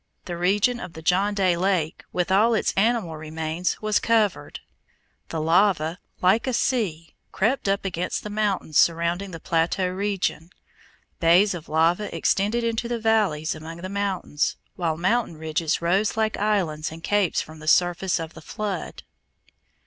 The region of the John Day Lake, with all its animal remains, was covered. The lava, like a sea, crept up against the mountains surrounding the plateau region. Bays of lava extended into the valleys among the mountains, while mountain ridges rose like islands and capes from the surface of the flood.